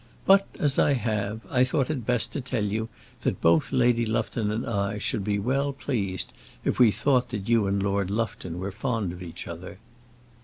But as I have, I thought it best to tell you that both Lady Lufton and I should be well pleased if we thought that you and Lord Lufton were fond of each other."